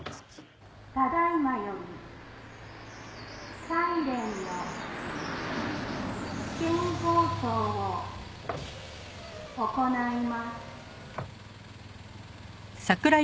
「ただ今よりサイレンの試験放送を行います」